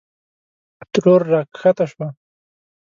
ترور راکښته شوه.